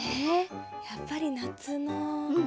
やっぱり夏の。